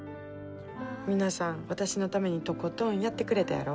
皆さん私のためにとことんやってくれたやろ。